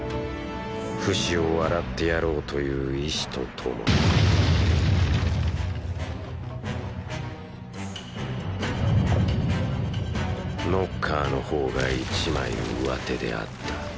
フシを笑ってやろうという意思とともにーーノッカーの方が一枚上手であった。